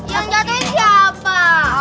yang jatuh ini siapa